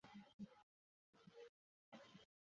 আমি তার সাথে কথা বলতে চাই!